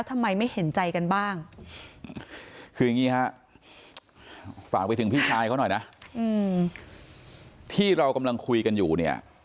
ที่เรากำลังคุยกันอยู่เนี่ย